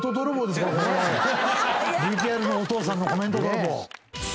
ＶＴＲのお父さんのコメント泥棒。